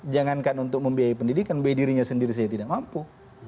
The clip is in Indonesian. jangankan untuk membiayai pendidikan bayi dirinya sendiri saya tidak mampu